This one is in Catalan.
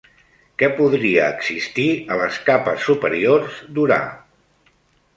Què podria existir a les capes superiors d'Urà?